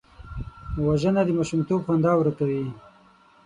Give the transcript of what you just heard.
وژنه د ماشومتوب خندا ورکوي